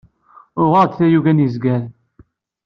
Uɣeɣ-d tayuga n yezgaren.